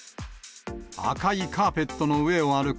赤いカーペットの上を歩く